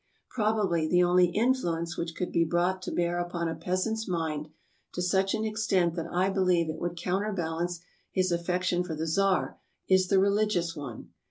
Probably the only influence which could be brought to bear upon a peasant's mind, to such an extent that I believe it would counterbalance his affection for the Tsar, is the religious one.